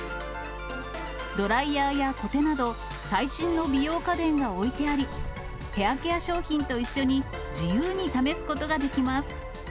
ドライヤーやコテなど、さいしんびようかてんが、最新の美容家電が置いてあり、ヘアケア商品と一緒に自由に試すことが出来ます。